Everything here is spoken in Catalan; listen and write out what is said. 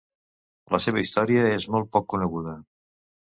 La seva història és molt poc coneguda.